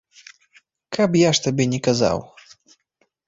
Каб я ж табе не казаў!